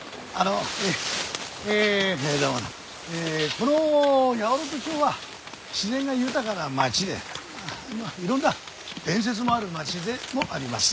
この八百万町は自然が豊かな町でいろんな伝説もある町でもあります。